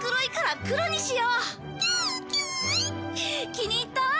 気に入った？